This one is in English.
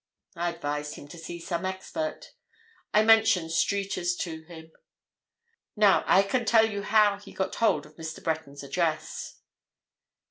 I advised him to see some expert—I mentioned Streeter's to him. Now, I can tell you how he got hold of Mr. Breton's address."